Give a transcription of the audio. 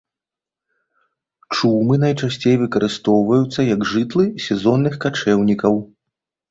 Чумы найчасцей выкарыстоўваюцца як жытлы сезонных качэўнікаў.